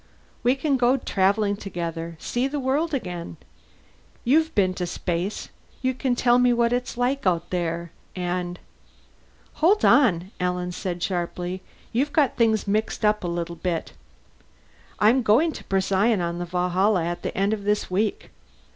We can go travelling together, see the world again. You've been to space; you can tell me what it's like out there. And " "Hold on," Alan said sharply. "You've got things mixed up a little bit. I'm going to Procyon on the Valhalla at the end of this week.